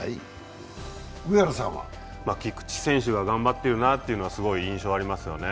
菊池選手が頑張ってるなというのは、すごく印象がありますよね。